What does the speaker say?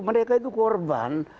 mereka itu korban